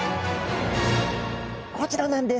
こちらなんです！